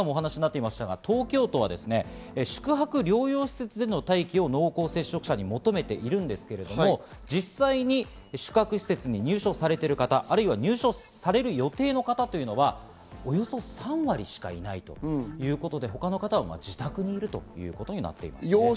東京都は宿泊療養施設での待機を濃厚接触者に求めているんですけれども、実際に宿泊施設に入所されてる方、あるいは入所される予定の方というのは、およそ３割しかいないということで他の方は自宅にいるということになっています。